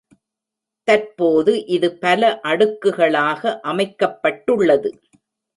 தற்போது இது பல அடுக்குகளாக அமைக்கப்பட்டுள்ளது.